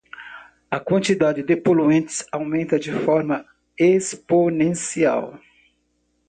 A quantidade de poluentes aumenta de forma exponencial.